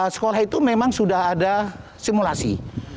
sekolah itu memang sudah ada simulasi